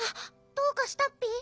どうかしたッピ？